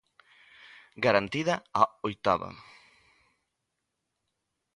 Garantida a oitava.